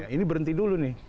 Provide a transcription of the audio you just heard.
ini berhenti dulu nih